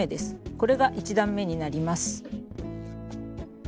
これが１段めになります。